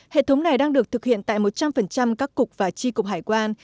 hệ thống này đang được thực hiện tại một trăm linh các cục và tri cục hải quan